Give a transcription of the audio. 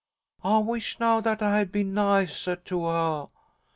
"I wish now that I had been niceah to her.